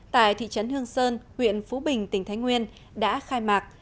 tại thị trấn hương sơn huyện phú bình tỉnh thái nguyên đã khai mạc